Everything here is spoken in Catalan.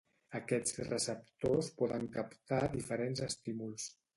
Aquests receptors poden captar diferents estímuls